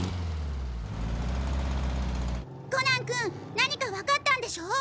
コナン君何か分かったんでしょ？